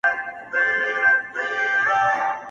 کله رېږدم له یخنیه کله سوځم له ګرمیه؛